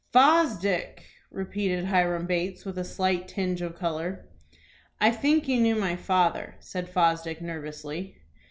"Fosdick!" repeated Hiram Bates, with a slight tinge of color. "I think you knew my father," said Fosdick, nervously.